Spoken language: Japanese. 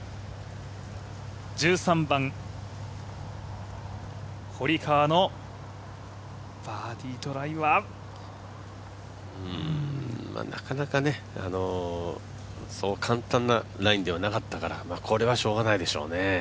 １３番、堀川のバーディートライはなかなかそう簡単なラインではなかったから、これはしょうがないでしょうね。